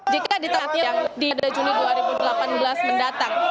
jika di tahap yang di juni dua ribu delapan belas mendatang